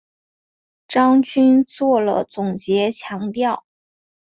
张军作了总结强调